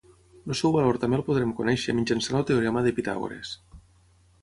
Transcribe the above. El seu valor també el podrem conèixer mitjançant el teorema de Pitàgores.